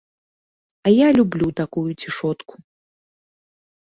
А я люблю такую цішотку.